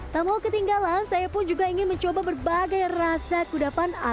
tak mau ketinggalan saya pun juga ingin mencoba berbagai rasa kudapan anda